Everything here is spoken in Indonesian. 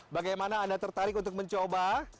bagaimana anda tertarik untuk mencoba